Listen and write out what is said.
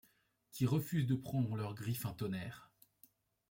Qui refusent de prendre en leur griffe un tonnerre.